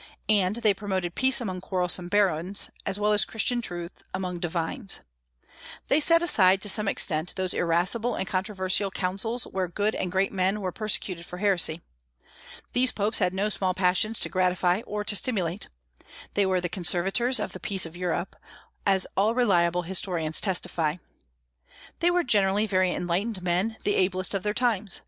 And they promoted peace among quarrelsome barons, as well as Christian truth among divines. They set aside, to some extent, those irascible and controversial councils where good and great men were persecuted for heresy. These popes had no small passions to gratify or to stimulate. They were the conservators of the peace of Europe, as all reliable historians testify. They were generally very enlightened men, the ablest of their times.